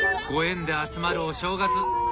ご縁で集まるお正月。